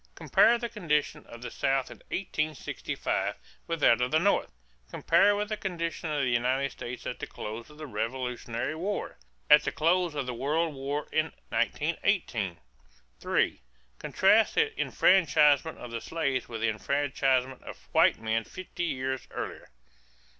Compare the condition of the South in 1865 with that of the North. Compare with the condition of the United States at the close of the Revolutionary War. At the close of the World War in 1918. 3. Contrast the enfranchisement of the slaves with the enfranchisement of white men fifty years earlier.